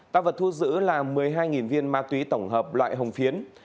tăng vật thu giữ là một mươi hai viên ma túy tổng hợp loại hồng phiến